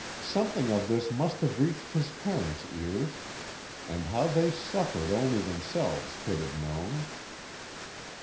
"Something of this must have reached his parents' ears, and how they suffered only themselves could have known.